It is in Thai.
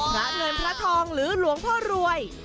เงินพระทองหรือหลวงพ่อรวย